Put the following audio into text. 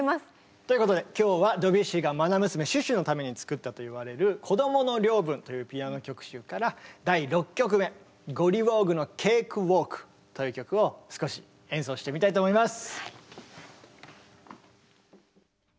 ということで今日はドビュッシーが愛娘シュシュのために作ったといわれる「こどもの領分」というピアノ曲集から第６曲目「ゴリウォーグのケークウォーク」という曲を少し演奏してみたいと思います。